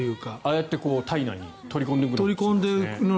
ああやって体内に取り込んでいるんですね。